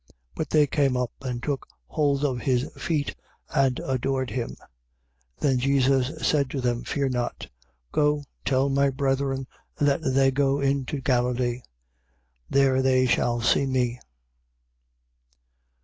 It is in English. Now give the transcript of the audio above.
But they came up and took hold of his feet and adored him. 28:10. Then Jesus said to them: Fear not. Go, tell my brethren that they go into Galilee. There they shall see me.